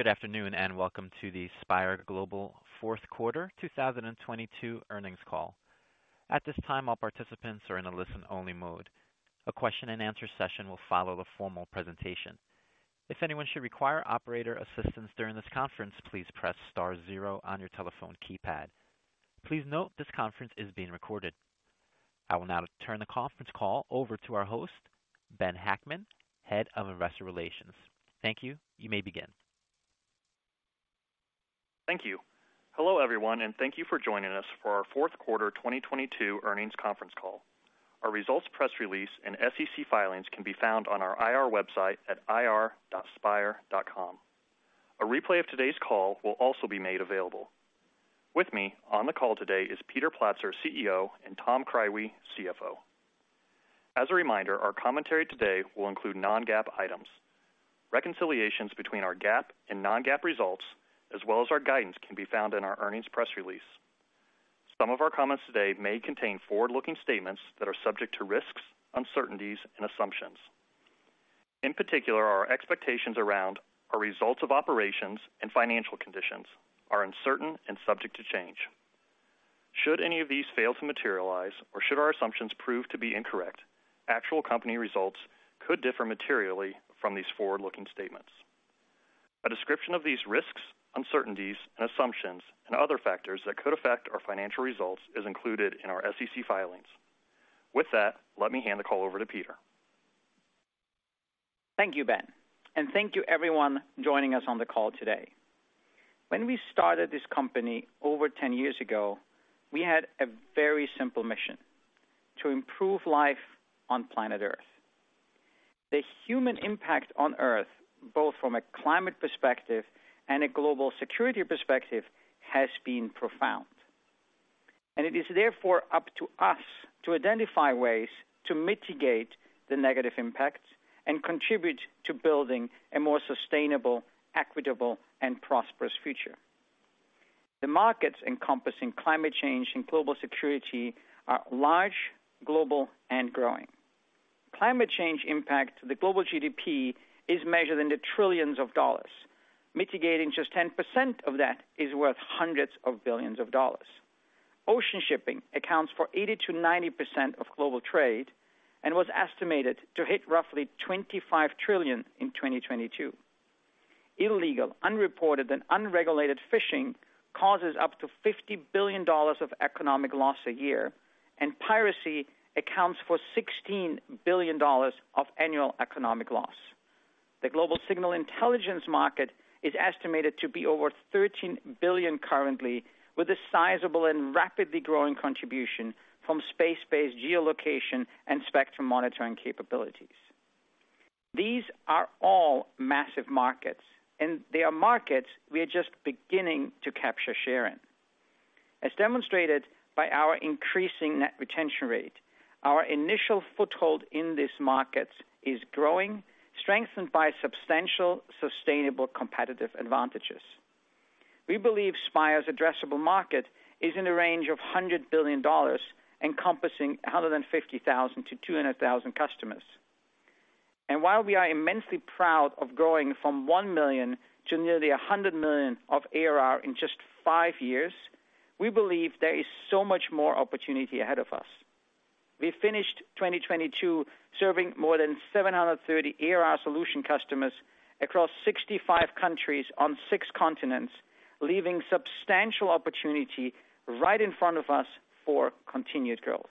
Good afternoon, and welcome to the Spire Global fourth quarter 2022 earnings call. At this time, all participants are in a listen-only mode. A question-and-answer session will follow the formal presentation. If anyone should require operator assistance during this conference, please press star zero on your telephone keypad. Please note this conference is being recorded. I will now turn the conference call over to our host, Ben Hackman, Head of Investor Relations. Thank you. You may begin. Thank you. Hello, everyone, and thank you for joining us for our fourth quarter 2022 earnings conference call. Our results press release and SEC filings can be found on our IR website at ir.spire.com. A replay of today's call will also be made available. With me on the call today are Peter Platzer, CEO, and Tom Krywe, CFO. As a reminder, our commentary today will include non-GAAP items. Reconciliations between our GAAP and non-GAAP results, as well as our guidance, can be found in our earnings press release. Some of our comments today may contain forward-looking statements that are subject to risks, uncertainties, and assumptions. In particular, our expectations around our results of operations and financial conditions are uncertain and subject to change. Should any of these fail to materialize, or should our assumptions prove to be incorrect, actual company results could differ materially from these forward-looking statements. A description of these risks, uncertainties, and assumptions, and other factors that could affect our financial results, is included in our SEC filings. With that, let me hand the call over to Peter. Thank you, Ben, thank you everyone joining us on the call today. When we started this company over 10 years ago, we had a very simple mission: To improve life on planet Earth. The human impact on Earth, both from a climate perspective and a global security perspective, has been profound, and it is therefore up to us to identify ways to mitigate the negative impacts and contribute to building a more sustainable, equitable, and prosperous future. The markets encompassing climate change and global security are large, global, and growing. The climate change impact on the global GDP is measured in the trillions of dollars. Mitigating just 10% of that is worth $100 billions. Ocean shipping accounts for 80%-90% of global trade and was estimated to hit roughly $25 trillion in 2022. Illegal, unreported, and unregulated fishing causes up to $50 billion of economic loss a year, and piracy accounts for $16 billion of annual economic loss. The global signals intelligence market is estimated to be over $13 billion currently, with a sizable and rapidly growing contribution from space-based geolocation and spectrum monitoring capabilities. These are all massive markets, and they are markets we are just beginning to capture share in. As demonstrated by our increasing net retention rate, our initial foothold in these markets is growing, strengthened by substantial, sustainable competitive advantages. We believe Spire's addressable market is in the range of $100 billion, encompassing 150,000 to 200,000 customers. While we are immensely proud of growing from $1 million to nearly $100 million of ARR in just five years, we believe there is so much more opportunity ahead of us. We finished 2022 serving more than 730 ARR solution customers across 65 countries on six continents, leaving a substantial opportunity right in front of us for continued growth.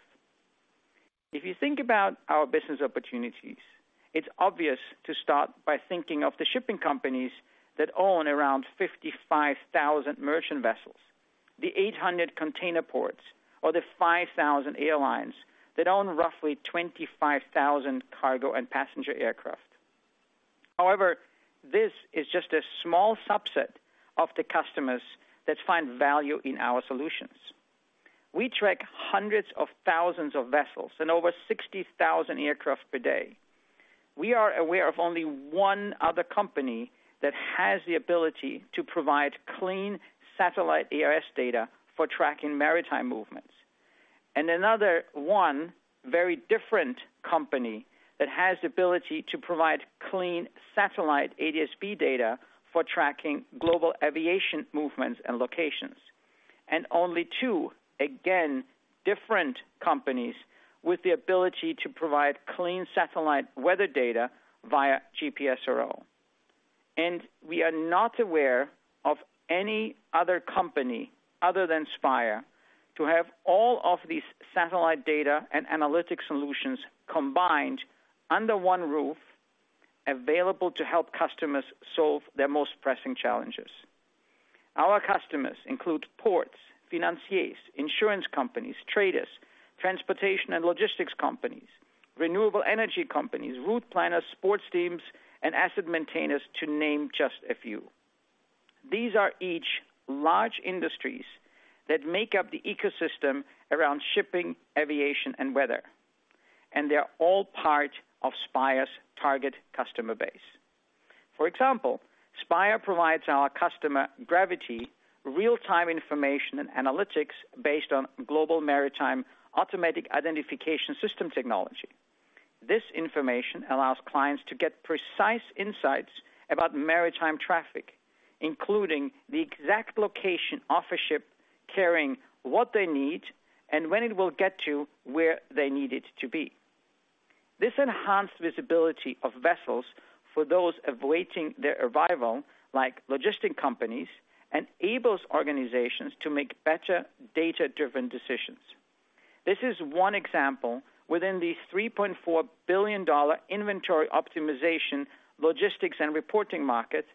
If you think about our business opportunities, it's obvious to start by thinking of the shipping companies that own around 55,000 merchant vessels, the 800 container ports or the 5,000 airlines that own roughly 25,000 cargo and passenger aircraft. However, this is just a small subset of the customers that find value in our solutions. We track hundreds of thousands of vessels and over 60,000 aircraft per day. We are aware of only one other company that has the ability to provide clean satellite AIS data for tracking maritime movements. Another one very different company that has the ability to provide clean satellite ADS-B data for tracking global aviation movements and locations. Only two, again, different companies with the ability to provide clean satellite weather data via GPS-RO. We are not aware of any other company other than Spire to have all of these satellite data and analytic solutions combined under one roof, available to help customers solve their most pressing challenges. Our customers include ports, financiers, insurance companies, traders, transportation and logistics companies, renewable energy companies, route planners, sports teams, and asset maintainers, to name just a few. These are each large industries that make up the ecosystem around shipping, aviation, and weather, and they are all part of Spire's target customer base. For example, Spire provides our customer, Gravity, with real-time information and analytics based on global maritime automatic identification system technology. This information allows clients to get precise insights about maritime traffic, including the exact location of a ship carrying what they need and when it will get to where they need it to be. This enhanced visibility of vessels for those awaiting their arrival, like logistic companies, enables organizations to make better data-driven decisions. This is one example within the $3.4 billion inventory optimization, logistics, and reporting market,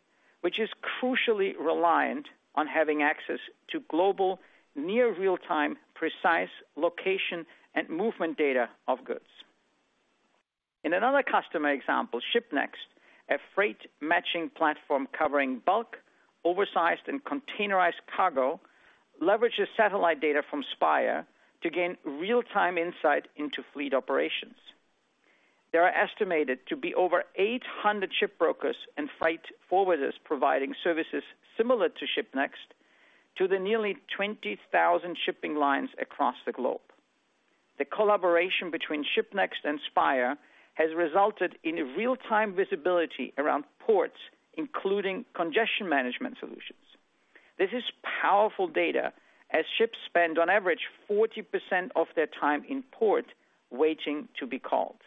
which is crucially reliant on having access to global, near real-time, precise location and movement data of goods. In another customer example, Shipnext, a freight-matching platform covering bulk, oversized, and containerized cargo, leverages satellite data from Spire to gain real-time insight into fleet operations. There are estimated to be over 800 ship brokers and freight forwarders providing services similar to Shipnext to the nearly 20,000 shipping lines across the globe. The collaboration between Shipnext and Spire has resulted in real-time visibility around ports, including congestion management solutions. This is powerful data, as ships spend on average 40% of their time in port waiting to be called.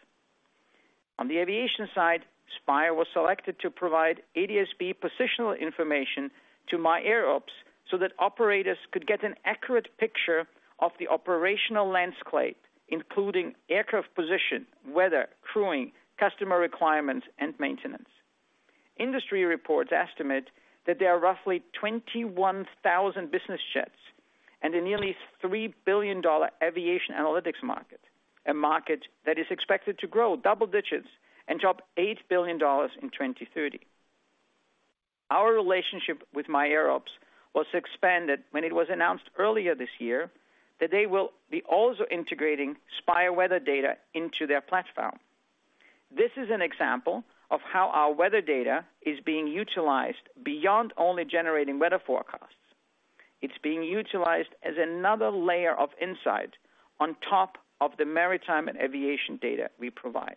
On the aviation side, Spire was selected to provide ADS-B positional information to myairops so that operators could get an accurate picture of the operational landscape, including aircraft position, weather, crewing, customer requirements, and maintenance. Industry reports estimate that there are roughly 21,000 business jets and a nearly $3 billion aviation analytics market, a market that is expected to grow double digits and top $8 billion in 2030. Our relationship with myairops was expanded when it was announced earlier this year that they will be also integrating Spire weather data into their platform. This is an example of how our weather data is being utilized beyond only generating weather forecasts. It's being utilized as another layer of insight on top of the maritime and aviation data we provide.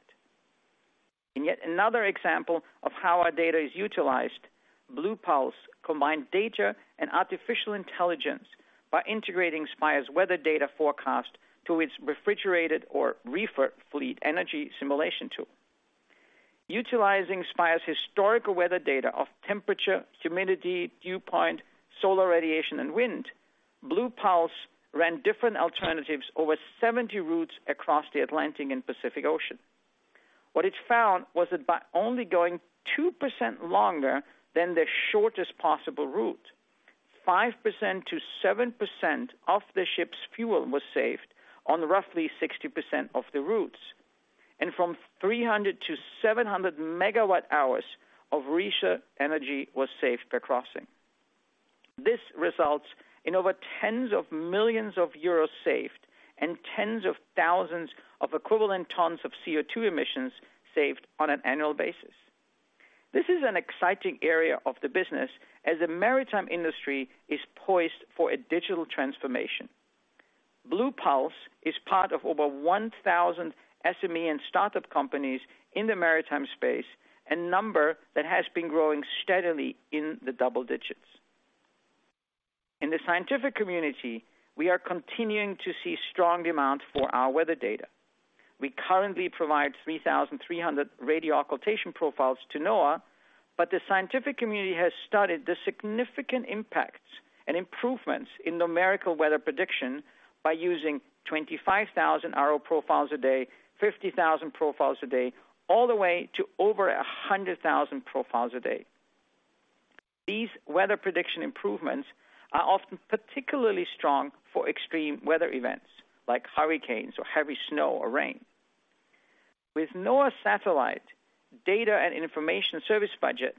In yet another example of how our data is utilized, BluePulse combined data and artificial intelligence by integrating Spire's weather data forecast to its refrigerated or reefer fleet energy simulation tool. Utilizing Spire's historical weather data of temperature, humidity, dew point, solar radiation, and wind, BluePulse ran different alternatives over 70 routes across the Atlantic and Pacific Oceans. What it found was that by only going 2% longer than the shortest possible route, 5%-7% of the ship's fuel was saved on roughly 60% of the routes, and from 300-700 MWh of reefer energy was saved per crossing. This results in over tens of millions of EUR saved and tens of thousands of equivalent tons of CO2 emissions saved on an annual basis. This is an exciting area of the business as the maritime industry is poised for a digital transformation. BluePulse is part of over 1,000 SME and start-up companies in the maritime space, a number that has been growing steadily in the double digits. In the scientific community, we are continuing to see strong demand for our weather data. We currently provide 3,300 radio occultation profiles to NOAA. The scientific community has studied the significant impacts and improvements in numerical weather prediction by using 25,000 RO profiles a day, 50,000 profiles a day, all the way to over 100,000 profiles a day. These weather prediction improvements are often particularly strong for extreme weather events like hurricanes or heavy snow or rain. With the NOAA Satellite and Information Service budget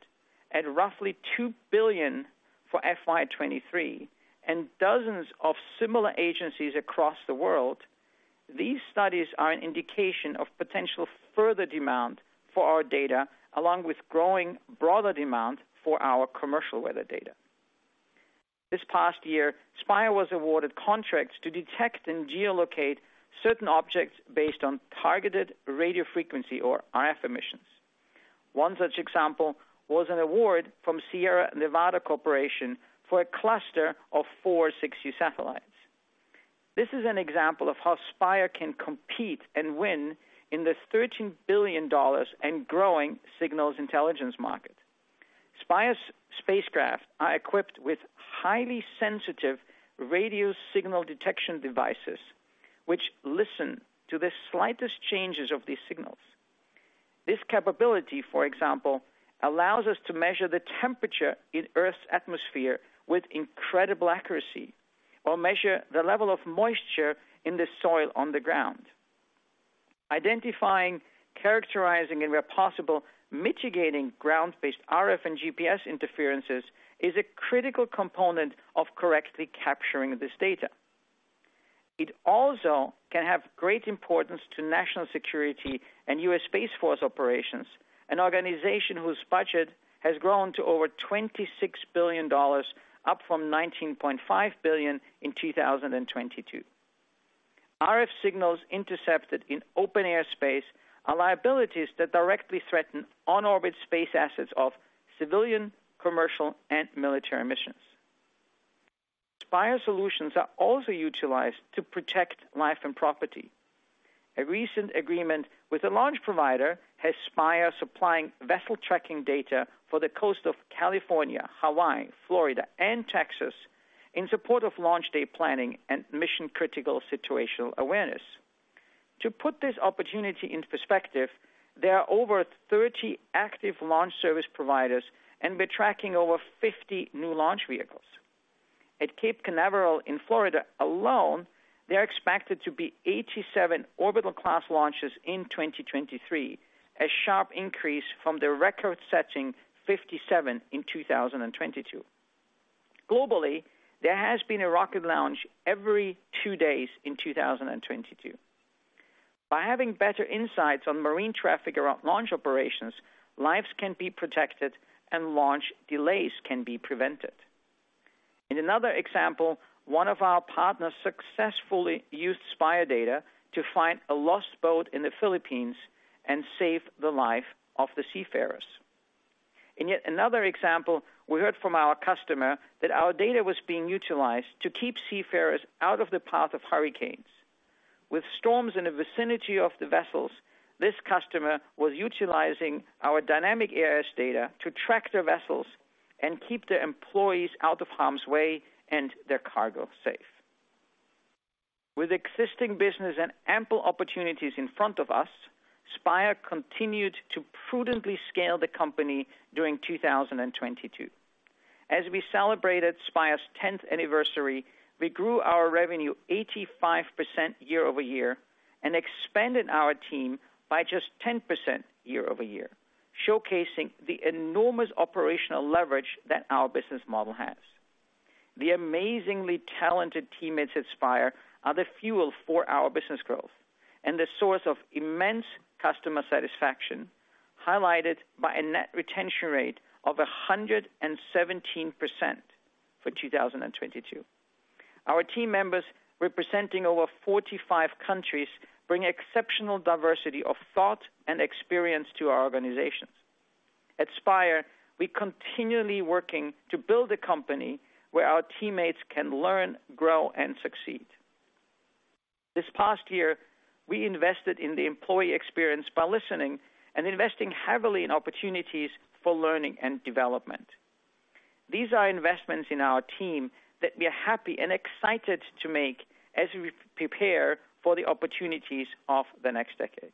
at roughly $2 billion for FY 2023 and dozens of similar agencies across the world, these studies are an indication of potential further demand for our data, along with growing broader demand for our commercial weather data. This past year, Spire was awarded contracts to detect and geolocate certain objects based on targeted radio frequency or RF emissions. One such example was an award from Sierra Nevada Corporation for a cluster of four 6U satellites. This is an example of how Spire can compete and win in the $13 billion and growing signals intelligence market. Spire's spacecraft are equipped with highly sensitive radio signal detection devices which listen to the slightest changes of these signals. This capability, for example, allows us to measure the temperature in Earth's atmosphere with incredible accuracy or measure the level of moisture in the soil on the ground. Identifying, characterizing, and where possible, mitigating ground-based RF and GPS interferences is a critical component of correctly capturing this data. It can also have great importance to national security and U.S. Space Force operations, an organization whose budget has grown to over $26 billion, up from $19.5 billion in 2022. RF signals intercepted in open air space are liabilities that directly threaten on-orbit space assets of civilian, commercial, and military missions. Spire solutions are also utilized to protect life and property. A recent agreement with a launch provider has Spire supplying vessel-tracking data for the coast of California, Hawaii, Florida, and Texas in support of launch day planning and mission-critical situational awareness. To put this opportunity in perspective, there are over 30 active launch service providers, and we're tracking over 50 new launch vehicles. At Cape Canaveral in Florida alone, there are expected to be 87 orbital-class launches in 2023, a sharp increase from the record-setting 57 in 2022. Globally, there has been a rocket launch every two days in 2022. By having better insights on marine traffic around launch operations, lives can be protected, and launch delays can be prevented. In another example, one of our partners successfully used Spire data to find a lost boat in the Philippines and save the lives of the seafarers. In yet another example, we heard from our customer that our data was being utilized to keep seafarers out of the path of hurricanes. With storms in the vicinity of the vessels, this customer was utilizing our dynamic AIS data to track their vessels and keep their employees out of harm's way and their cargo safe. With existing business and ample opportunities in front of us, Spire continued to prudently scale the company during 2022. As we celebrated Spire's tenth anniversary, we grew our revenue 85% year-over-year and expanded our team by just 10% year-over-year, showcasing the enormous operational leverage that our business model has. The amazingly talented teammates at Spire are the fuel for our business growth and the source of immense customer satisfaction, highlighted by a net retention rate of 117% for 2022. Our team members representing over 45 countries bring exceptional diversity of thought and experience to our organization. At Spire, we're continually working to build a company where our teammates can learn, grow, and succeed. This past year, we invested in the employee experience by listening and investing heavily in opportunities for learning and development. These are investments in our team that we are happy and excited to make as we prepare for the opportunities of the next decade.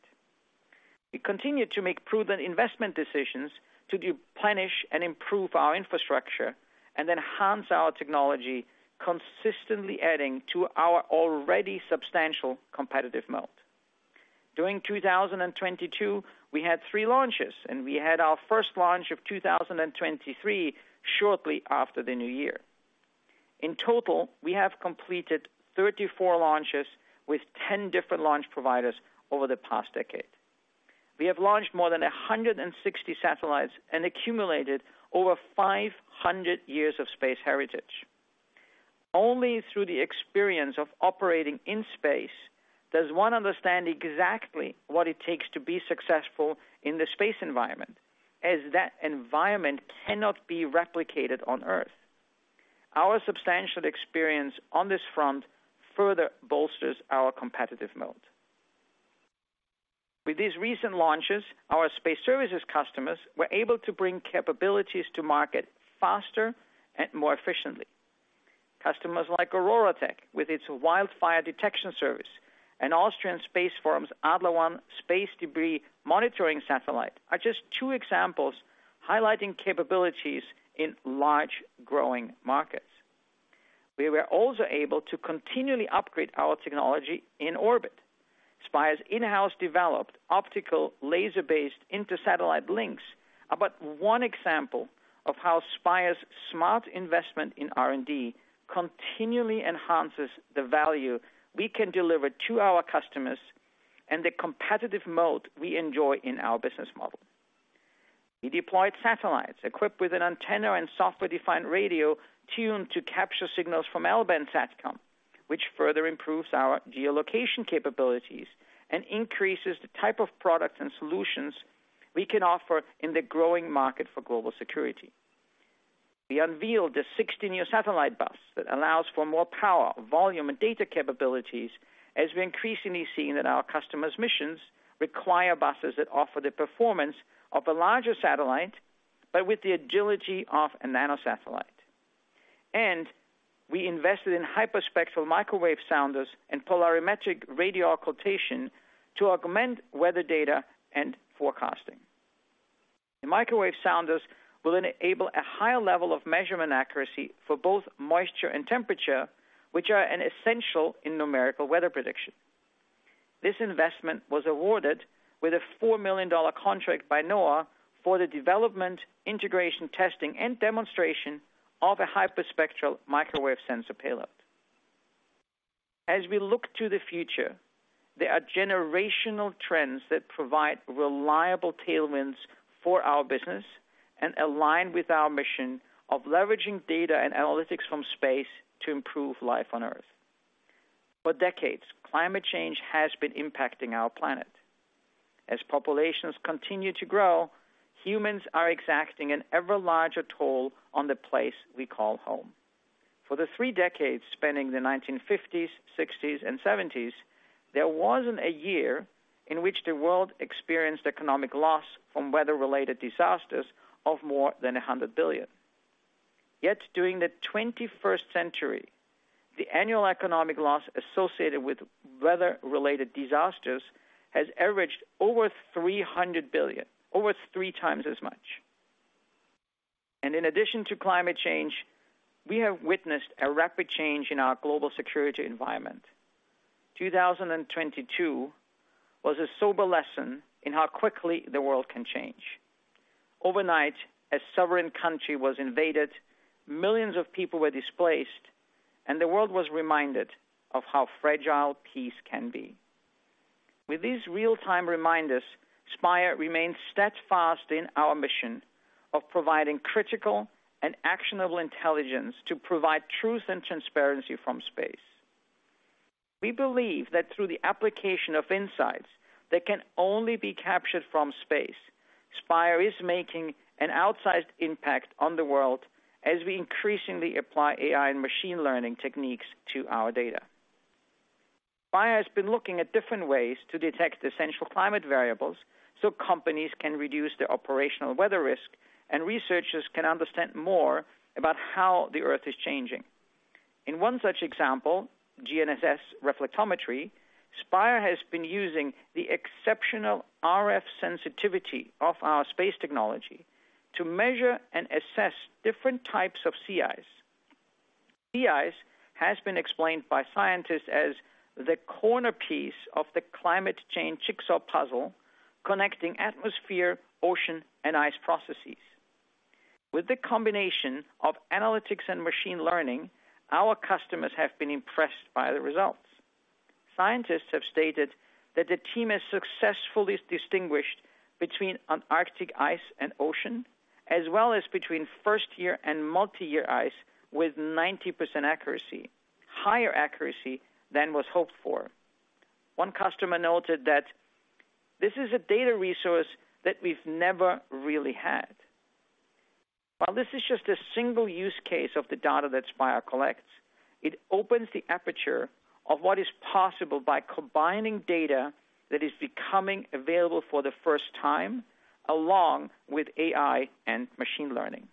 We continue to make prudent investment decisions to replenish and improve our infrastructure and enhance our technology, consistently adding to our already substantial competitive moat. During 2022, we had 3three launches. We had our first launch of 2023 shortly after the new year. In total, we have completed 34 launches with 10 different launch providers over the past decade. We have launched more than 160 satellites and accumulated over 500 years of space heritage. Only through the experience of operating in space does one understand exactly what it takes to be successful in the space environment, as that environment cannot be replicated on Earth. Our substantial experience on this front further bolsters our competitive moat. With these recent launches, our space services customers were able to bring capabilities to market faster and more efficiently. Customers like OroraTech, with its wildfire detection service, and Austrian Space Forum's ADLER-1 space debris monitoring satellite are just two examples highlighting capabilities in large, growing markets. We were also able to continually upgrade our technology in orbit. Spire's in-house developed optical laser-based inter-satellite links are but one example of how Spire's smart investment in R&D continually enhances the value we can deliver to our customers and the competitive moat we enjoy in our business model. We deployed satellites equipped with an antenna and software-defined radio tuned to capture signals from L-band satcom, which further improves our geolocation capabilities and increases the type of products and solutions we can offer in the growing market for global security. We unveiled a 16U satellite bus that allows for more power, volume, and data capabilities as we increasingly seen that our customers' missions require buses that offer the performance of a larger satellite, but with the agility of a nanosatellite. We invested in Hyperspectral Microwave Sounders and polarimetric radio occultation to augment weather data and forecasting. The microwave sounders will enable a higher level of measurement accuracy for both moisture and temperature, which are essential in numerical weather prediction. This investment was awarded a $4 million contract by NOAA for the development, integration, testing, and demonstration of a Hyperspectral Microwave Sounder payload. As we look to the future. There are generational trends that provide reliable tailwinds for our business and align with our mission of leveraging data and analytics from space to improve life on Earth. For decades, climate change has been impacting our planet. As populations continue to grow, humans are exacting an ever larger toll on the place we call home. For the three decades spanning the 1950s, 1960s, and 1970s, there wasn't a year in which the world experienced economic loss from weather-related disasters of more than $100 billion. Yet during the 21st century, the annual economic loss associated with weather-related disasters has averaged over $300 billion, over 3x as much. In addition to climate change, we have witnessed a rapid change in our global security environment. 2022 was a sober lesson in how quickly the world can change. Overnight, a sovereign country was invaded, millions of people were displaced, and the world was reminded of how fragile peace can be. With these real-time reminders, Spire remains steadfast in our mission of providing critical and actionable intelligence to provide truth and transparency from space. We believe that through the application of insights that can only be captured from space, Spire is making an outsized impact on the world as we increasingly apply AI and machine learning techniques to our data. Spire has been looking at different ways to detect Essential Climate Variables so companies can reduce their operational weather risk and researchers can understand more about how the Earth is changing. In one such example, GNSS Reflectometry, Spire has been using the exceptional RF sensitivity of our space technology to measure and assess different types of sea ice. Sea ice has been explained by scientists as the centerpiece of the climate change jigsaw puzzle connecting atmosphere, ocean, and ice processes. With the combination of analytics and machine learning, our customers have been impressed by the results. Scientists have stated that the team has successfully distinguished between Antarctic ice and ocean, as well as between first-year and multi-year ice with 90% accuracy, higher accuracy than was hoped for. One customer noted that this is a data resource that we've never really had. While this is just a single use case of the data that Spire collects, it opens the aperture of what is possible by combining data that is becoming available for the first time, along with AI and machine learning.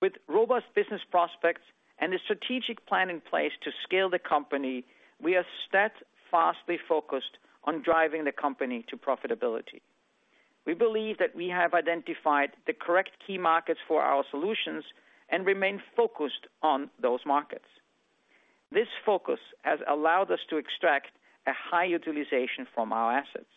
With robust business prospects and a strategic plan in place to scale the company, we are steadfastly focused on driving the company to profitability. We believe that we have identified the correct key markets for our solutions and remain focused on those markets. This focus has allowed us to extract a high utilization from our assets.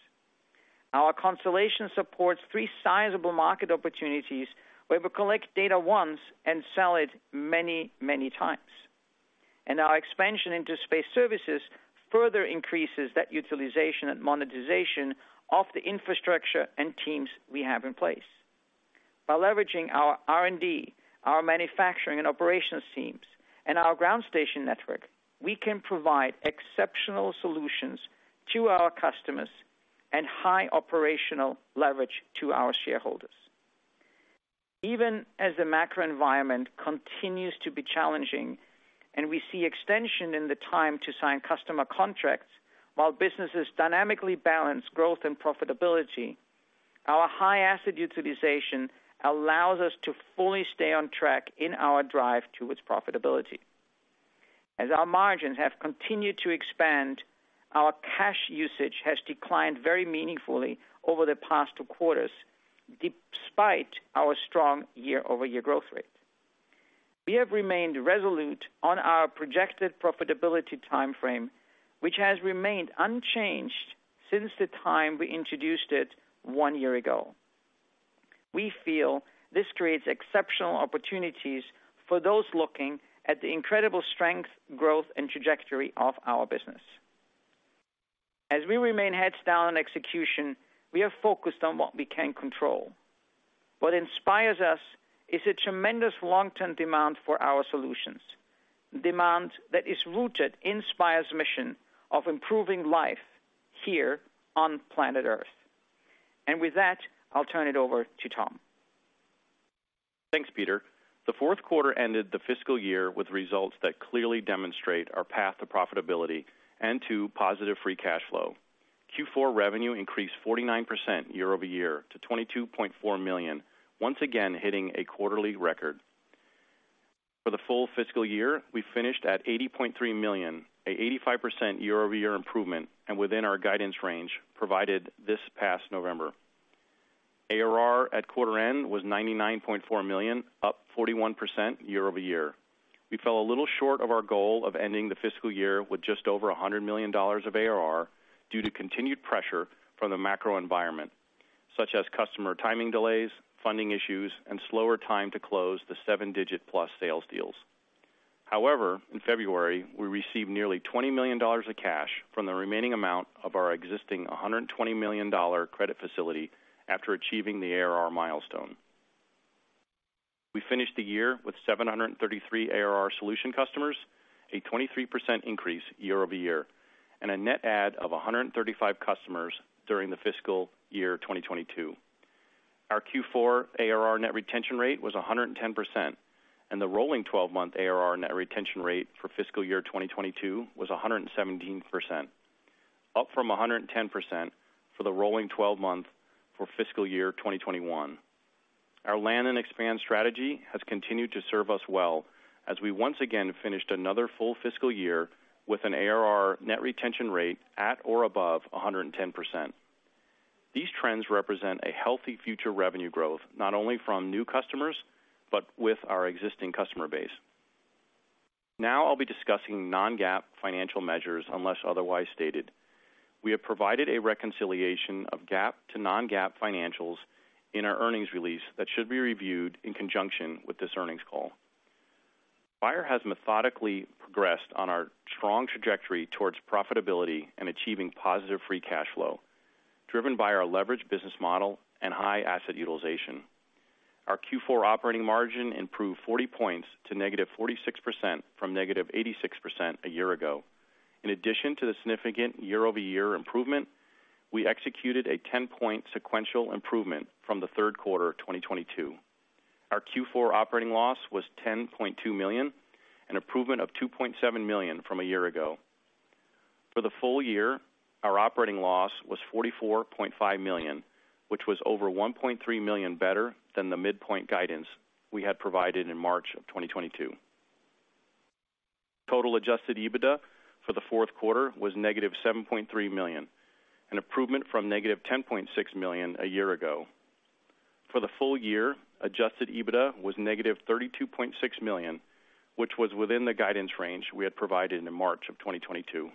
Our constellation supports three sizable market opportunities, where we collect data once and sell it many, many times. Our expansion into space services further increases the utilization and monetization of the infrastructure and teams we have in place. By leveraging our R&D, our manufacturing and operations teams, and our ground station network, we can provide exceptional solutions to our customers and high operational leverage to our shareholders. Even as the macro environment continues to be challenging and we see extension in the time to sign customer contracts while businesses dynamically balance growth and profitability, our high asset utilization allows us to fully stay on track in our drive towards profitability. As our margins have continued to expand, our cash usage has declined very meaningfully over the past two quarters, despite our strong year-over-year growth rate. We have remained resolute on our projected profitability time frame, which has remained unchanged since the time we introduced it one year ago. We feel this creates exceptional opportunities for those looking at the incredible strength, growth, and trajectory of our business. As we remain heads down on execution, we are focused on what we can control. What inspires us is a tremendous long-term demand for our solutions, a demand that is rooted in Spire's mission of improving life here on planet Earth. With that, I'll turn it over to Tom. Thanks, Peter. The fourth quarter ended the fiscal year with results that clearly demonstrate our path to profitability and to positive free cash flow. Q4 revenue increased 49% year-over-year to $22.4 million, once again hitting a quarterly record. For the full fiscal year, we finished at $80.3 million, an 85% year-over-year improvement and within our guidance range provided this past November. ARR at quarter end was $99.4 million, up 41% year-over-year. We fell a little short of our goal of ending the fiscal year with just over $100 million of ARR. Due to continued pressure from the macro environment, such as customer timing delays, funding issues, and a slower time to close the seven-digit-plus sales deals. However, in February, we received nearly $20 million of cash from the remaining amount of our existing $120 million credit facility after achieving the ARR milestone. We finished the year with 733 ARR solution customers, a 23% increase year-over-year, and a net add of 135 customers during the fiscal year 2022. Our Q4 ARR net retention rate was 110%, and the rolling 12-month ARR net retention rate for fiscal year 2022 was 117%, up from 110% for the rolling 12-month for fiscal year 2021. Our land and expand strategy has continued to serve us well as we once again finished another full fiscal year with an ARR net retention rate at or above 110%. These trends represent a healthy future revenue growth, not only from new customers, but with our existing customer base. I'll be discussing non-GAAP financial measures, unless otherwise stated. We have provided a reconciliation of GAAP to non-GAAP financials in our earnings release that should be reviewed in conjunction with this earnings call. Spire has methodically progressed on our strong trajectory towards profitability and achieving positive free cash flow, driven by our leveraged business model and high asset utilization. Our Q4 operating margin improved 40 points to -46% from -86% a year ago. In addition to the significant year-over-year improvement, we executed a 10-point sequential improvement from the third quarter of 2022. Our Q4 operating loss was $10.2 million, an improvement of $2.7 million from a year ago. For the full year, our operating loss was $44.5 million, which was over $1.3 million better than the midpoint guidance we had provided in March of 2022. Total Adjusted EBITDA for the fourth quarter was negative $7.3 million, an improvement from negative $10.6 million a year ago. For the full year, Adjusted EBITDA was negative $32.6 million, which was within the guidance range we had provided in March of 2022.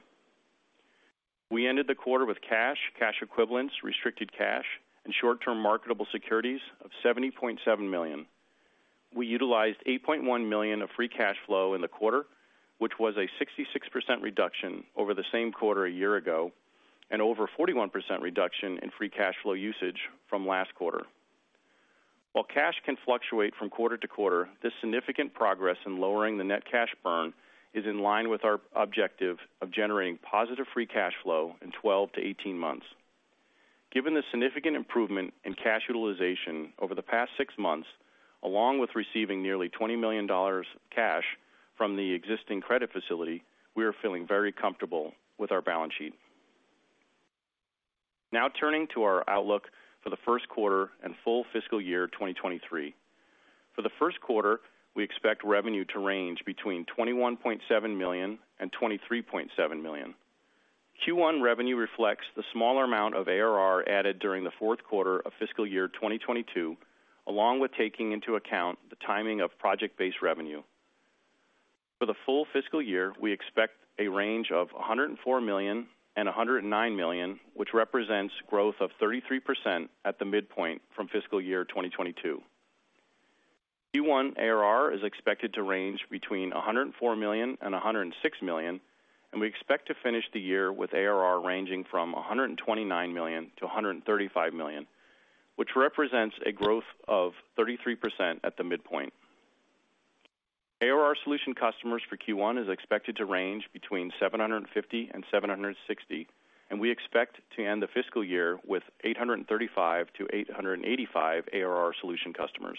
We ended the quarter with cash equivalents, restricted cash, and short-term marketable securities of $70.7 million. We utilized $8.1 million of free cash flow in the quarter, which was a 66% reduction over the same quarter a year ago and over 41% reduction in free cash flow usage from last quarter. While cash can fluctuate from quarter to quarter, this significant progress in lowering the net cash burn is in line with our objective of generating positive free cash flow in 12 to 18 months. Given the significant improvement in cash utilization over the past six months, along with receiving nearly $20 million cash from the existing credit facility, we are feeling very comfortable with our balance sheet. Turning to our outlook for the first quarter and full fiscal year 2023. For the first quarter, we expect revenue to range between $21.7 million and $23.7 million. Q1 revenue reflects the smaller amount of ARR added during the fourth quarter of fiscal year 2022, along with taking into account the timing of project-based revenue. For the full fiscal year, we expect a range of $104 million-$109 million, which represents growth of 33% at the midpoint from fiscal year 2022. Q1 ARR is expected to range between $104 million and $106 million. We expect to finish the year with ARR ranging from $129 million to $135 million, which represents a growth of 33% at the midpoint. ARR solution customers for Q1 is expected to range between 750 and 760. We expect to end the fiscal year with 835-885 ARR solution customers.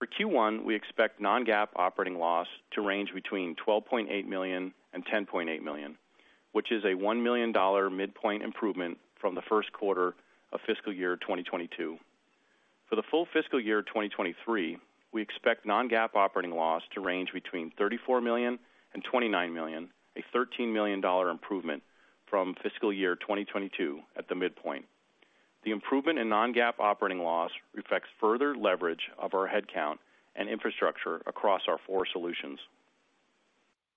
For Q1, we expect non-GAAP operating loss to range between $12.8 million and $10.8 million, which is a $1 million midpoint improvement from the first quarter of fiscal year 2022. For the full fiscal year 2023, we expect non-GAAP operating loss to range between $34 million and $29 million, a $13 million improvement from fiscal year 2022 at the midpoint. The improvement in non-GAAP operating loss reflects further leverage of our headcount and infrastructure across our 4 solutions.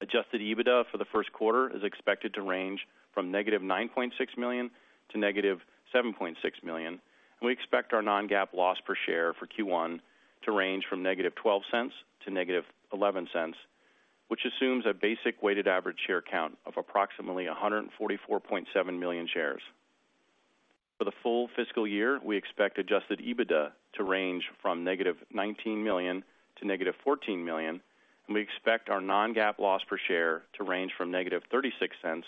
Adjusted EBITDA for the first quarter is expected to range from negative $9.6 million to negative $7.6 million, and we expect our non-GAAP loss per share for Q1 to range from negative $0.12 to negative $0.11, which assumes a basic weighted average share count of approximately 144.7 million shares. For the full fiscal year, we expect Adjusted EBITDA to range from -$19 million to -$14 million, and we expect our non-GAAP loss per share to range from -$0.36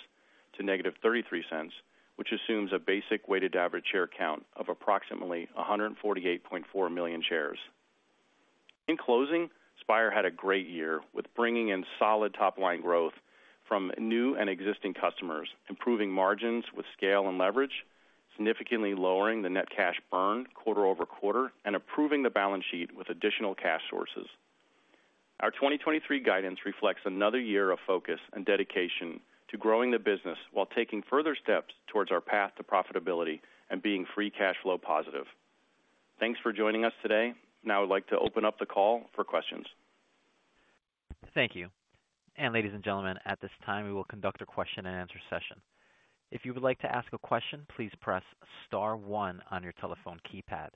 to -$0.33, which assumes a basic weighted average share count of approximately 148.4 million shares. In closing, Spire had a great year with bringing in solid top-line growth from new and existing customers, improving margins with scale and leverage, significantly lowering the net cash burn quarter-over-quarter, and improving the balance sheet with additional cash sources. Our 2023 guidance reflects another year of focus and dedication to growing the business while taking further steps towards our path to profitability and being free cash flow positive. Thanks for joining us today. I'd like to open up the call for questions. Thank you. Ladies and gentlemen, at this time we will conduct a question-and-answer session. If you would like to ask a question, please press star one on your telephone keypad.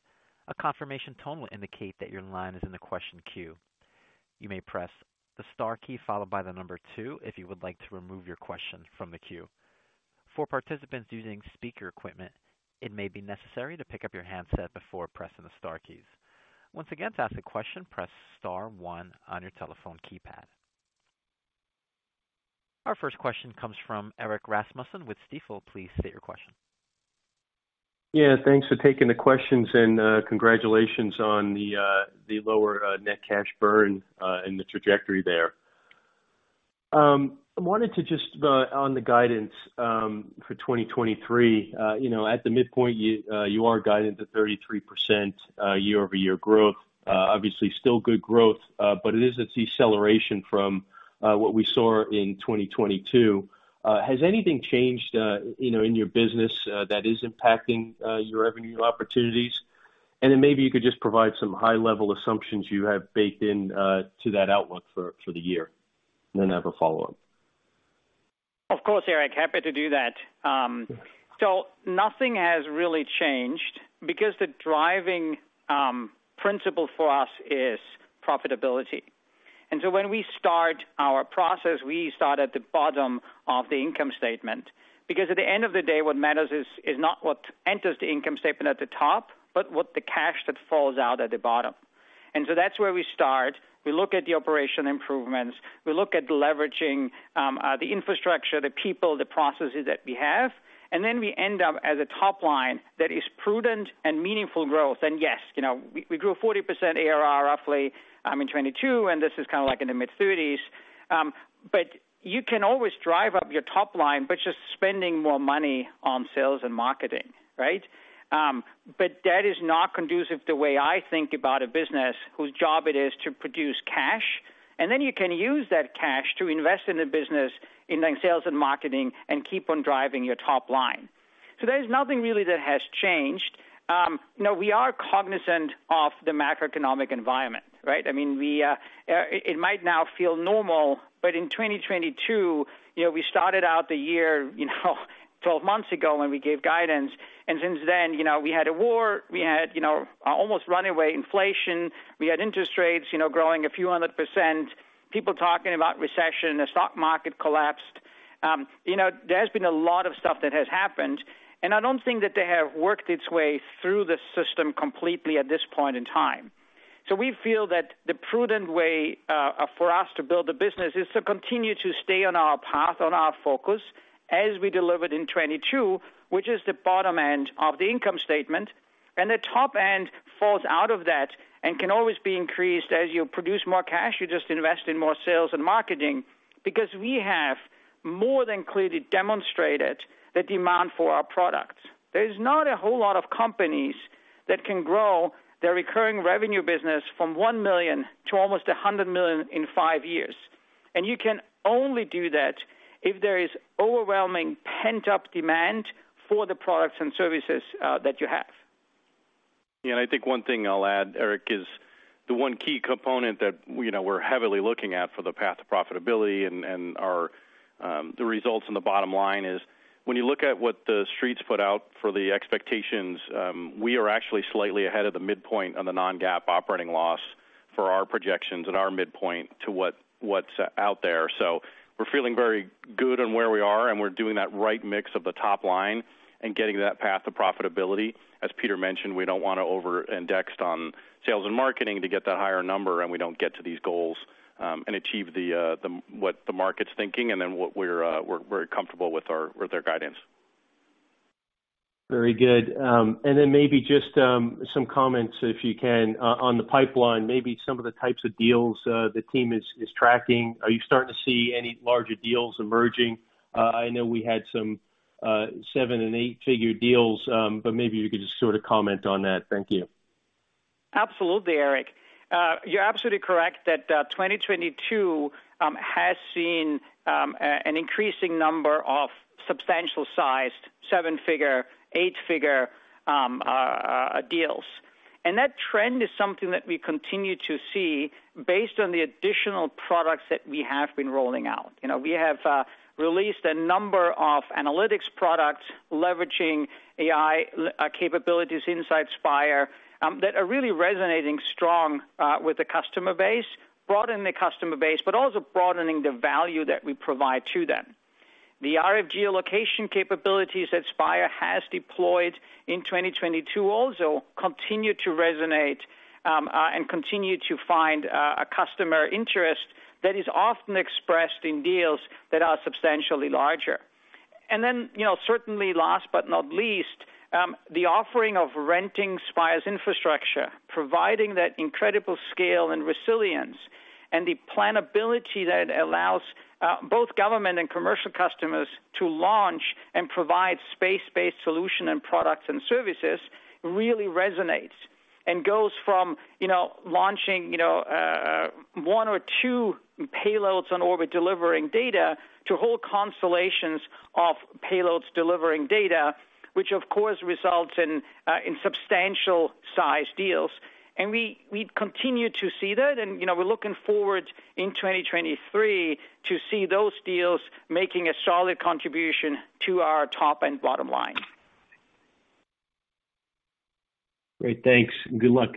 A confirmation tone will indicate that your line is in the question queue. You may press the star key followed by the number two if you would like to remove your question from the queue. For participants using speaker equipment, it may be necessary to pick up your handset before pressing the star keys. Once again, to ask a question, press star one on your telephone keypad. Our first question comes from Erik Rasmussen with Stifel. Please state your question. Yeah, thanks for taking the questions, and congratulations on the lower net cash burn and the trajectory there. I wanted to just on the guidance for 2023. You know, at the midpoint, you are guiding to 33% year-over-year growth. Obviously, still good growth, but it is a deceleration from what we saw in 2022. Has anything changed, you know, in your business that is impacting your revenue opportunities? Maybe you could just provide some high-level assumptions you have baked in to that outlook for the year. I have a follow-up. Of course, Erik, happy to do that. Nothing has really changed because the driving principle for us is profitability. When we start our process, we start at the bottom of the income statement, because at the end of the day, what matters is not what enters the income statement at the top, but what the cash that falls out at the bottom. That's where we start. We look at the operation improvements. We look at leveraging the infrastructure, the people, the processes that we have, then we end up as a top line that is prudent and meaningful growth. Yes, you know, we grew 40% ARR roughly in 2022, and this is kind of like in the mid-thirties. You can always drive up your top line by just spending more money on sales and marketing, right? That is not conducive to the way I think about a business whose job it is to produce cash. You can use that cash to invest in the business in like sales and marketing and keep on driving your top line. There's nothing really that has changed. You know, we are cognizant of the macroeconomic environment, right? I mean, we, it might now feel normal, but in 2022, you know, we started out the year, you know, 12 months ago when we gave guidance. Since then, you know, we had a war, we had, you know, almost runaway inflation. We had interest rates, you know, growing a few hundred %. People talking about recession. The stock market collapsed. You know, there's been a lot of stuff that has happened, and I don't think that they have worked its way through the system completely at this point in time. We feel that the prudent way for us to build a business is to continue to stay on our path, on our focus as we delivered in 2022, which is the bottom end of the income statement. The top end falls out of that and can always be increased. As you produce more cash, you just invest in more sales and marketing because we have more than clearly demonstrated the demand for our products. There is not a whole lot of companies that can grow their recurring revenue business from $1 million to almost $100 million in five years. You can only do that if there is overwhelming pent-up demand for the products and services that you have. Yeah. I think one thing I'll add, Erik, is the one key component that, you know, we're heavily looking at for the path to profitability and our the results in the bottom line is when you look at what the streets put out for the expectations, we are actually slightly ahead of the midpoint on the non-GAAP operating loss for our projections at our midpoint to what's out there. We're feeling very good on where we are, and we're doing that right mix of the top line and getting that path to profitability. As Peter mentioned, we don't wanna over-index on sales and marketing to get that higher number, and we don't get to these goals and achieve the what the market's thinking and then what we're we're very comfortable with our, with our guidance. Very good. Maybe just some comments, if you can, on the pipeline. Maybe some of the types of deals the team is tracking. Are you starting to see any larger deals emerging? I know we had some seven, and eight-figure deals; maybe you could just sort of comment on that. Thank you. Absolutely, Erik. You're absolutely correct that 2022 has seen an increasing number of substantial-sized seven-figure, eight-figure deals. That trend is something that we continue to see based on the additional products that we have been rolling out. You know, we have released a number of analytics products leveraging AI capabilities inside Spire that are really resonating strong with the customer base. Broadening the customer base, but also broadening the value that we provide to them. The RF geolocation capabilities that Spire has deployed in 2022 also continue to resonate and continue to find a customer interest that is often expressed in deals that are substantially larger. You know, certainly last but not least, the offering of renting Spire's infrastructure, providing that incredible scale and resilience and the planability that allows both government and commercial customers to launch and provide space-based solution and products and services really resonates and goes from, you know, launching, you know, one or two payloads on orbit delivering data to whole constellations of payloads delivering data, which of course results in substantial-sized deals. We continue to see that. You know, we're looking forward in 2023 to see those deals making a solid contribution to our top and bottom line. Great. Thanks, and good luck.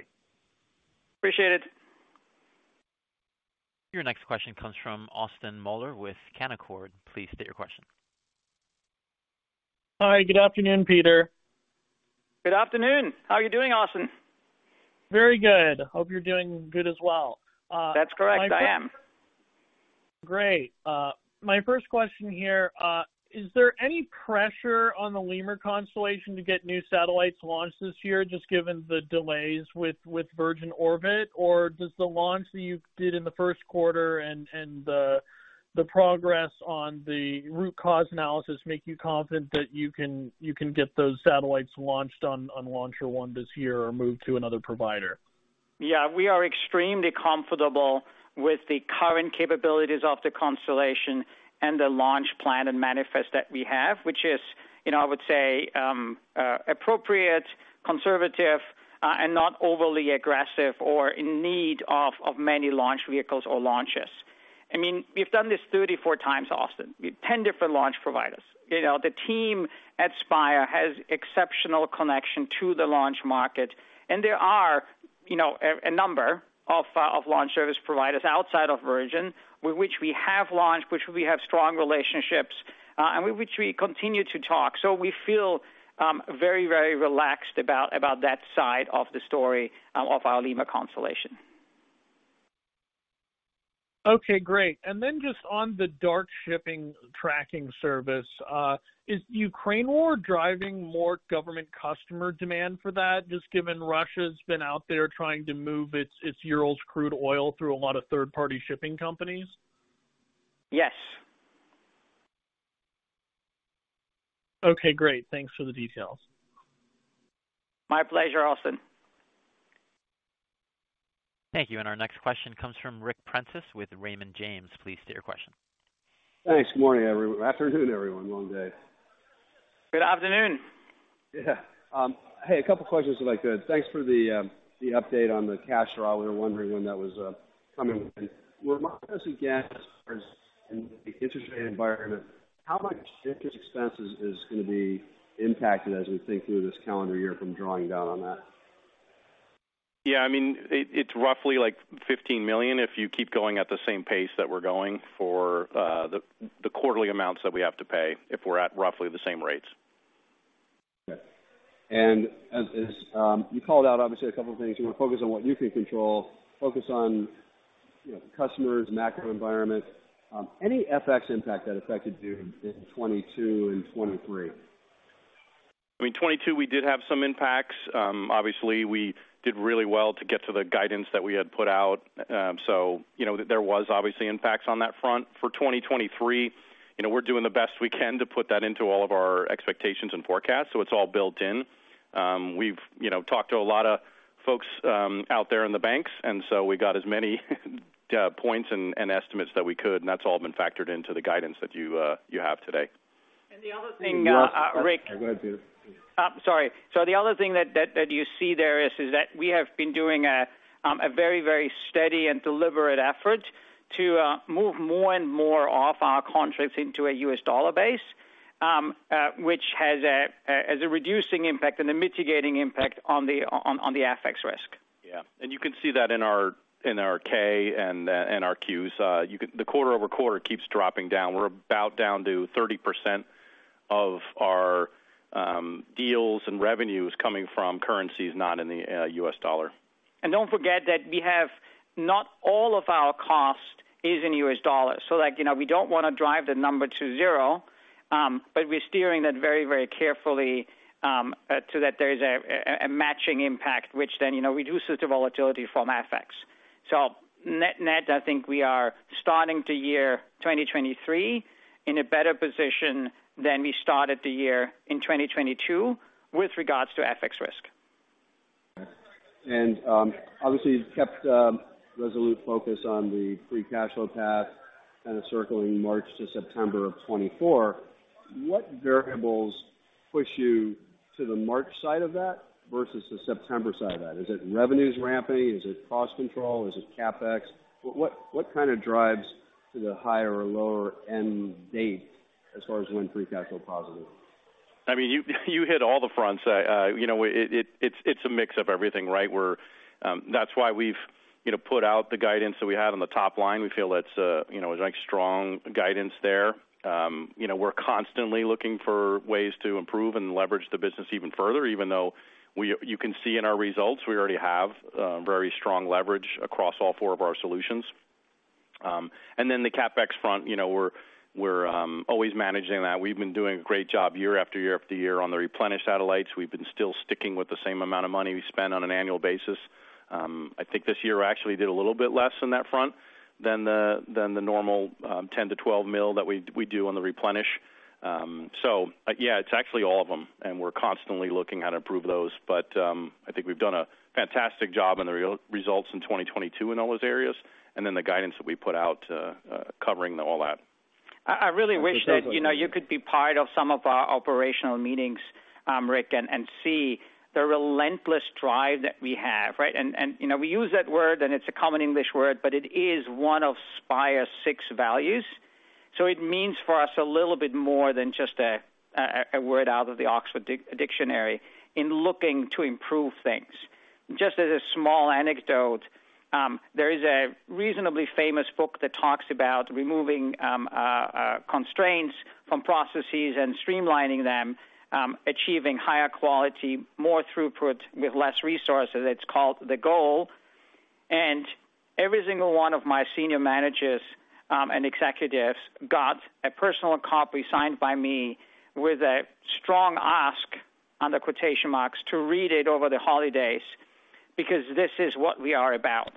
Appreciate it. Your next question comes from Austin Moeller with Canaccord. Please state your question. Hi. Good afternoon, Peter. Good afternoon. How are you doing, Austin? Very good. Hope you're doing good as well. That's correct. I am. Great. My first question here, is there any pressure on the LEMUR constellation to get new satellites launched this year, just given the delays with Virgin Orbit? Does the launch that you did in the first quarter and the progress on the root cause analysis make you confident that you can get those satellites launched on LauncherOne this year or move to another provider? We are extremely comfortable with the current capabilities of the constellation and the launch plan and manifest that we have, which is, you know, I would say, appropriate, conservative, and not overly aggressive or in need of many launch vehicles or launches. I mean, we've done this 34x, Austin, with 10 different launch providers. You know, the team at Spire has exceptional connection to the launch market, and there are, you know, a number of launch service providers outside of Virgin with which we have launched, which we have strong relationships, and with which we continue to talk. We feel very, very relaxed about that side of the story, of our LEMUR constellation. Okay, great. Then just on the Dark Shipping detection service, is Ukraine war driving more government customer demand for that, just given Russia's been out there trying to move its Urals crude oil through a lot of third-party shipping companies? Yes. Okay, great. Thanks for the details. My pleasure, Austin. Thank you. Our next question comes from Ric Prentiss with Raymond James. Please state your question. Thanks. Good morning, afternoon, everyone. Long day. Good afternoon. Hey, a couple of questions if I could. Thanks for the update on the cash draw. We were wondering when that was coming in. With regards to gas, as far as in the interest rate environment, how much interest expense is going to be impacted as we think through this calendar year from drawing down on that? Yeah, I mean, it's roughly, like, $15 million if you keep going at the same pace that we're going for, the quarterly amounts that we have to pay if we're at roughly the same rates. Okay. as you called out, obviously, a couple of things. You wanna focus on what you can control, focus on, you know, the customers, macro environment. any FX impact that affected you in 2022 and 2023? I mean, in 2022, we did have some impacts. Obviously, we did really well to get to the guidance that we had put out. You know, there was obviously impacts on that front. For 2023, you know, we're doing the best we can to put that into all of our expectations and forecasts, so it's all built in. We've, you know, talked to a lot of folks out there in the banks, we got as many points and estimates that we could, and that's all been factored into the guidance that you have today. The other thing, Ric. Go ahead, Peter. Sorry. The other thing that you see there is that we have been doing a very, very steady and deliberate effort to move more and more of our contracts into a US dollar base, which has a reducing impact and a mitigating impact on the FX risk. Yeah. You can see that in our, in our Form 10-K and 10-Qs. The quarter-over-quarter keeps dropping down. We're about down to 30% of our deals and revenues coming from currencies not in the U.S. dollar. Don't forget that we have not all of our cost is in U.S. dollars. Like, you know, we don't wanna drive the number to zero, but we're steering that very, very carefully so that there's a matching impact, which then, you know, reduces the volatility from FX. Net net, I think we are starting the year 2023 in a better position than we started the year in 2022 with regards to FX risk. Obviously, you've kept a resolute focus on the free cash flow path, kind of, circling March to September of 2024. What variables push you to the March side of that versus the September side of that? Is it revenues ramping? Is it cost control? Is it CapEx? What kind of drives to the higher or lower end date as far as when free cash flow positive? I mean, you hit all the fronts. You know, it's a mix of everything, right? We're, that's why we've, you know, put out the guidance that we have on the top line. We feel it's, you know, like, strong guidance there. You know, we're constantly looking for ways to improve and leverage the business even further, even though you can see in our results, we already have very strong leverage across all four of our solutions. The CapEx front, you know, we're always managing that. We've been doing a great job year after year after year on the replenish satellites. We've been still sticking with the same amount of money we spend on an annual basis. I think this year we actually did a little bit less on that front than the normal, $10 million-$12 million that we do on the replenish. Yeah, it's actually all of them, and we're constantly looking how to improve those. I think we've done a fantastic job on the results in 2022 in all those areas, and then the guidance that we put out, covering all that. I really wish that, you know, you could be part of some of our operational meetings, Ric, and see the relentless drive that we have, right? You know, we use that word, and it's a common English word, but it is one of Spire's six values. it means for us a little bit more than just a word out of the Oxford Dictionary in looking to improve things. Just as a small anecdote, there is a reasonably famous book that talks about removing constraints from processes and streamlining them, achieving higher quality, more throughput with less resources. It's called The Goal. Every single one of my senior managers and executives got a personal copy signed by me with a strong ask, under quotation marks, to read it over the holidays because this is what we are about,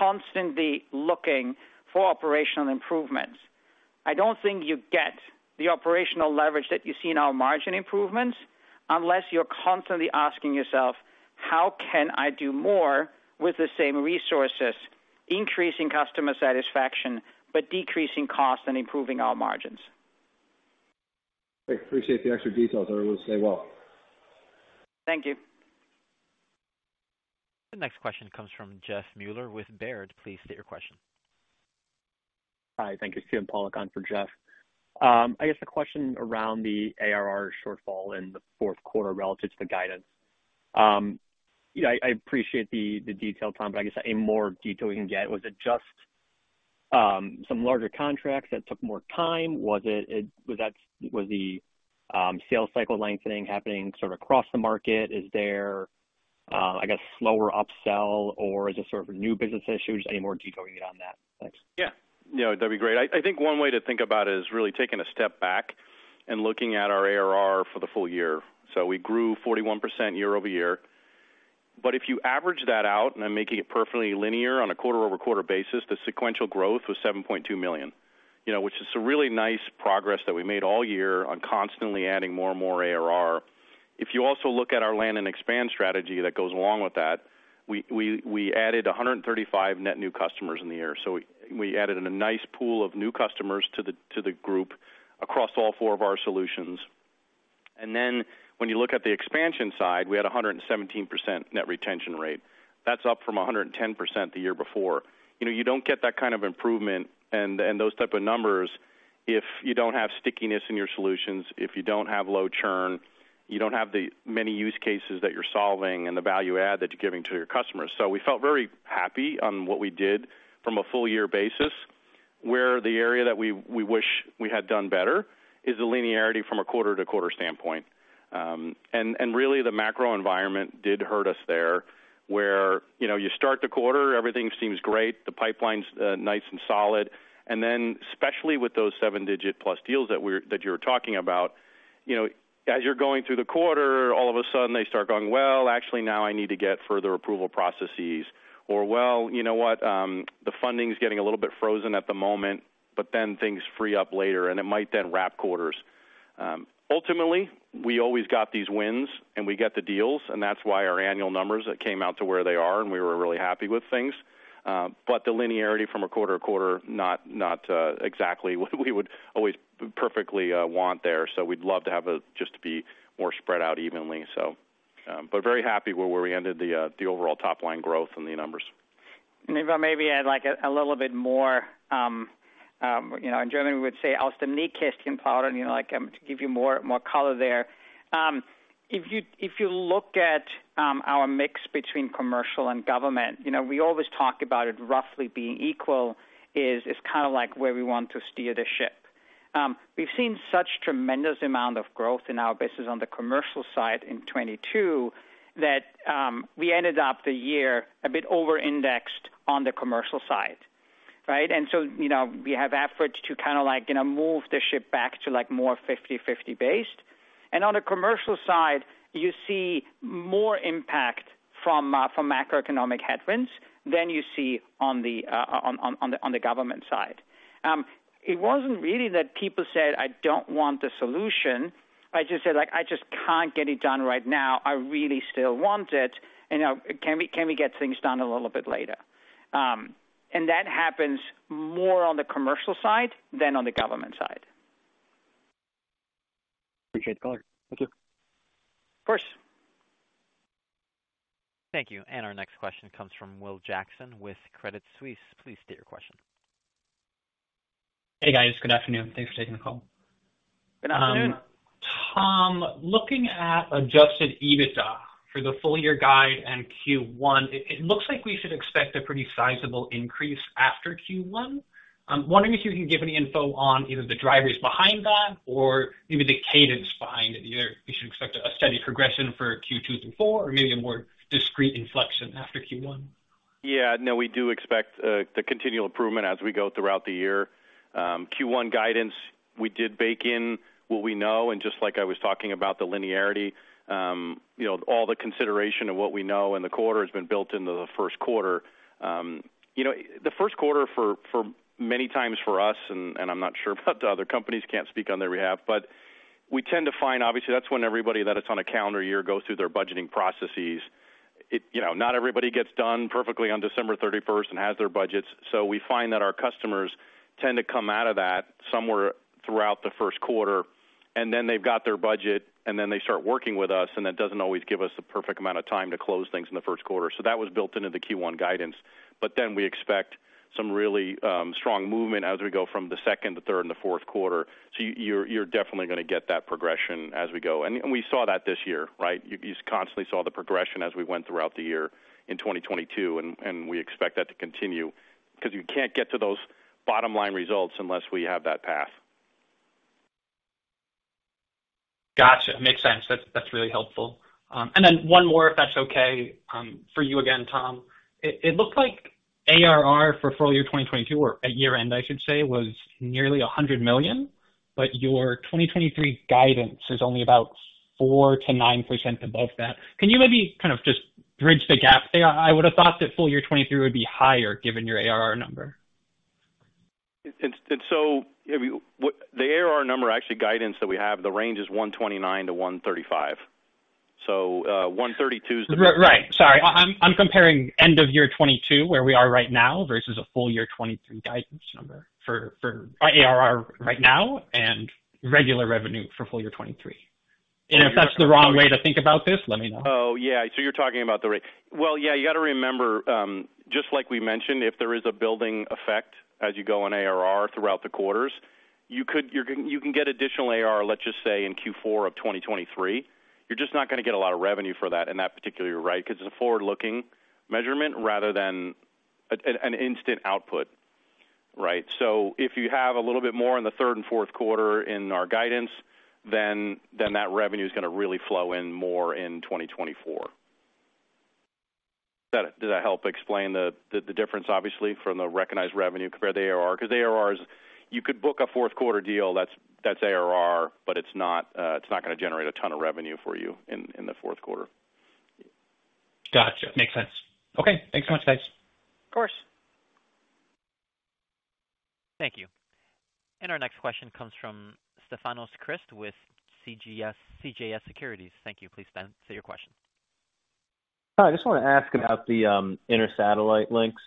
constantly looking for operational improvements. I don't think you get the operational leverage that you see in our margin improvements unless you're constantly asking yourself, "How can I do more with the same resources, increasing customer satisfaction, but decreasing costs and improving our margins? Thanks, appreciate the extra details. I will stay well. Thank you. The next question comes from Jeff Meuler with Baird. Please state your question. Hi. Thank you. It's Steven Pawlak on for Jeff. I guess the question is around the ARR shortfall in the fourth quarter relative to the guidance. You know, I appreciate the detail, Tom, but I guess any more detail we can get. Was it just some larger contracts that took more time? Was the sales cycle lengthening happening sort of across the market? Is there, I guess, slower upsell, or is it sort of new business issues? Any more detail you can get on that? Thanks. Yeah. No, that'd be great. I think one way to think about it is really taking a step back and looking at our ARR for the full year. We grew 41% year-over-year. If you average that out, and I'm making it perfectly linear on a quarter-over-quarter basis, the sequential growth was $7.2 million. You know, which is a really nice progress that we made all year on constantly adding more and more ARR. If you also look at our land and expand strategy that goes along with that, we added 135 net new customers in the year. We added in a nice pool of new customers to the group across all four of our solutions. When you look at the expansion side, we had a 117% net retention rate. That's up from 110% the year before. You know, you don't get that kind of improvement and those type of numbers if you don't have stickiness in your solutions, if you don't have low churn, you don't have the many use cases that you're solving and the value add that you're giving to your customers. We felt very happy on what we did from a full year basis. Where the area that we wish we had done better is the linearity from a quarter-to-quarter standpoint. Really the macro environment did hurt us there, where, you know, you start the quarter, everything seems great, the pipeline's nice and solid. Especially with those seven-digit-plus deals that you were talking about, you know, as you're going through the quarter, all of a sudden they start going, "Well, actually now I need to get further approval processes," or, "Well, you know what? The funding's getting a little bit frozen at the moment," but then things free up later, and it might then wrap quarters. Ultimately, we always got these wins, and we get the deals, and that's why our annual numbers came out to where they are, and we were really happy with things. The linearity from a quarter to quarter, not exactly what we would always perfectly want there. We'd love to have just to be more spread out evenly, so. Very happy where we ended the overall top-line growth in the numbers. If I maybe add, like, a little bit more, you know, in Germany we would say, "Aus dem Nähkästchen plaudern," you know, like, to give you more color there. If you look at our mix between commercial and government, you know, we always talk about it roughly being equal is kind of like where we want to steer the ship. We've seen such tremendous amount of growth in our business on the commercial side in 2022 that we ended up the year a bit over-indexed on the commercial side, right? So, you know, we have efforts to kind of like, you know, move the ship back to, like, more 50/50 based. On the commercial side, you see more impact from from macroeconomic headwinds than you see on the government side. It wasn't really that people said, "I don't want the solution." I just said, like, "I just can't get it done right now. I really still want it. You know, can we get things done a little bit later?" That happens more on the commercial side than on the government side. Appreciate the color. Thank you. Of course. Thank you. Our next question comes from Will Jackson with Credit Suisse. Please state your question. Hey, guys. Good afternoon. Thanks for taking the call. Good afternoon. Tom, looking at Adjusted EBITDA for the full year guide and Q1, it looks like we should expect a pretty sizable increase after Q1. I'm wondering if you can give any info on either the drivers behind that or maybe the cadence behind it. Either we should expect a steady progression for Q2 through Q4 or maybe a more discrete inflection after Q1. No, we do expect the continual improvement as we go throughout the year. Q1 guidance, we did bake in what we know, and just like I was talking about the linearity, you know, all the consideration of what we know in the quarter has been built into the first quarter. You know, the first quarter for many times for us, and I'm not sure about the other companies, can't speak on their behalf, but we tend to find, obviously, that's when everybody that it's on a calendar year goes through their budgeting processes. You know, not everybody gets done perfectly on December 31st and has their budgets. We find that our customers tend to come out of that somewhere throughout the first quarter, and then they've got their budget, and then they start working with us, and that doesn't always give us the perfect amount of time to close things in the first quarter. That was built into the Q1 guidance. We expect some really strong movement as we go from the second to third and the fourth quarter. You're definitely gonna get that progression as we go. We saw that this year, right? You constantly saw the progression as we went throughout the year in 2022, and we expect that to continue because you can't get to those bottom-line results unless we have that path. Gotcha. Makes sense. That's really helpful. Then one more if that's okay. For you again, Tom. It looked like ARR for full year 2022 or at year-end, I should say, was nearly $100 million. Your 2023 guidance is only about 4%-9% above that. Can you maybe kind of just bridge the gap there? I would have thought that full year 2023 would be higher given your ARR number. The ARR number, actually guidance that we have, the range is $129 million-$135 million. $132 million is. Right. Sorry. I'm comparing end of year 2022 where we are right now versus a full year 2023 guidance number for our ARR right now and regular revenue for full year 2023. If that's the wrong way to think about this, let me know. Yeah. You're talking about the. Yeah, you got to remember, just like we mentioned, if there is a building effect as you go on ARR throughout the quarters, you can get additional ARR, let's just say, in Q4 of 2023. You're just not gonna get a lot of revenue for that in that particular, right? Because it's a forward-looking measurement rather than an instant output, right? If you have a little bit more in the third and fourth quarter in our guidance, then that revenue is gonna really flow in more in 2024. Does that help explain the difference, obviously, from the recognized revenue compared to the ARR? The ARR is you could book a fourth quarter deal that's ARR, but it's not gonna generate a ton of revenue for you in the fourth quarter. Gotcha. Makes sense. Okay, thanks so much, guys. Of course. Thank you. Our next question comes from Stefanos Crist with CJS Securities. Thank you. Please, Stan, say your question. Hi, I just want to ask about the intersatellite links.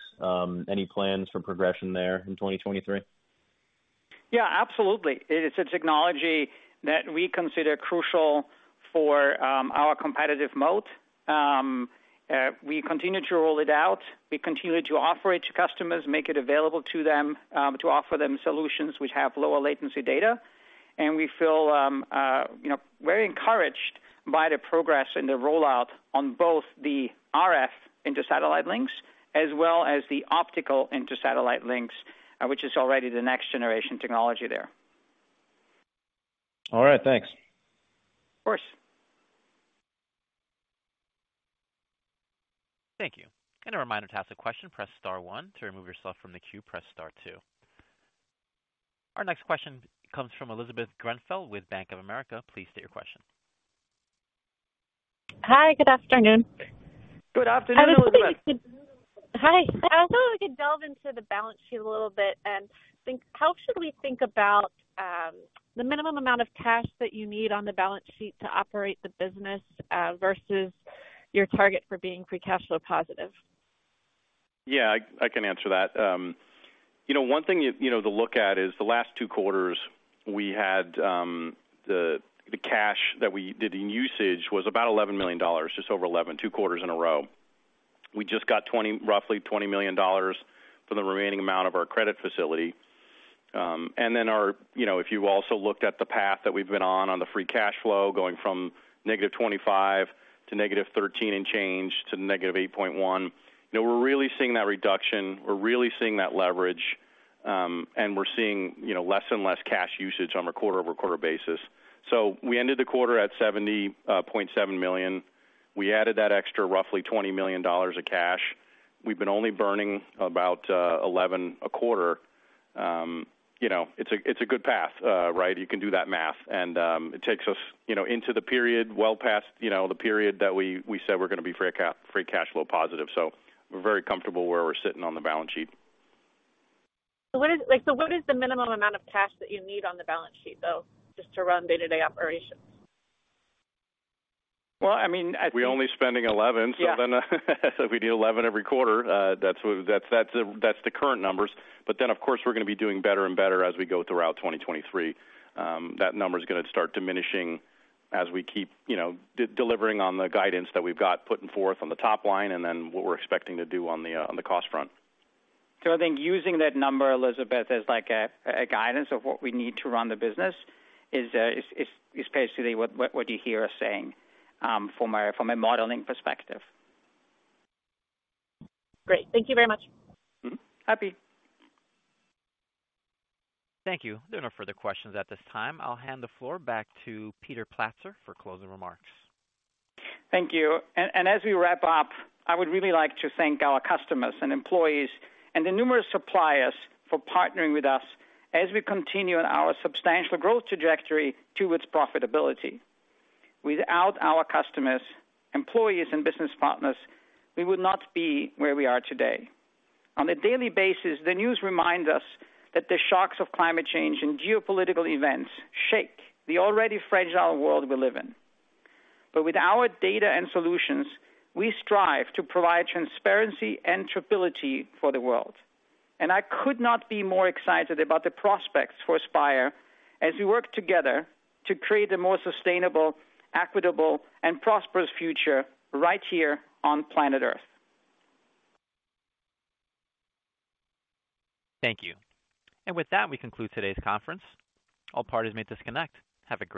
Any plans for progression there in 2023? Yeah, absolutely. It is a technology that we consider crucial for, our competitive mode. We continue to roll it out. We continue to offer it to customers, make it available to them, to offer them solutions which have lower latency data. We feel, you know, very encouraged by the progress in the rollout on both the RF inter-satellite links as well as the optical inter-satellite links, which is already the next generation technology there. All right, thanks. Of course. Thank you. A reminder to ask a question, press star one. To remove yourself from the queue, press star two. Our next question comes from Elizabeth Grenfell with Bank of America. Please state your question. Hi, good afternoon. Good afternoon, Elizabeth. Hi. I thought we could delve into the balance sheet a little bit and how we should think about the minimum amount of cash that you need on the balance sheet to operate the business, versus your target for being free cash flow positive? Yeah, I can answer that. You know, one thing, you know, to look at is the last two quarters, we had the cash that we did in usage was about $11 million, just over 11, two quarters in a row. We just got roughly $20 million for the remaining amount of our credit facility. You know, if you also looked at the path that we've been on, the free cash flow, going from negative 25 to negative 13 and change to negative 8.1. You know, we're really seeing that reduction, we're really seeing that leverage, and we're seeing, you know, less and less cash usage on a quarter-over-quarter basis. We ended the quarter at $70.7 million. We added that extra roughly $20 million of cash. We've been only burning about 11 a quarter. You know, it's a, it's a good path, right? You can do that math. It takes us, you know, into the period, well past, you know, the period that we said we're gonna be free cash flow positive. We're very comfortable where we're sitting on the balance sheet. Like, what is the minimum amount of cash that you need on the balance sheet, though, just to run day-to-day operations? Well, I mean, we're only spending $11. Yeah. If we do 11 every quarter, that's the current numbers. But then, of course, we're gonna be doing better and better as we go throughout 2023. That number is gonna start diminishing as we keep, you know, delivering on the guidance that we've got putting forth on the top line and then what we're expecting to do on the cost front. I think using that number, Elizabeth, as like a guidance of what we need to run the business is basically what you hear us saying from a, from a modeling perspective. Great. Thank you very much. Happy. Thank you. There are no further questions at this time. I'll hand the floor back to Peter Platzer for closing remarks. Thank you. As we wrap up, I would really like to thank our customers and employees and the numerous suppliers for partnering with us as we continue on our substantial growth trajectory to its profitability. Without our customers, employees, and business partners, we would not be where we are today. On a daily basis, the news reminds us that the shocks of climate change and geopolitical events shake the already fragile world we live in. With our data and solutions, we strive to provide transparency and stability for the world. I could not be more excited about the prospects for Spire as we work together to create a more sustainable, equitable, and prosperous future right here on planet Earth. Thank you. With that, we conclude today's conference. All parties may disconnect. Have a great day.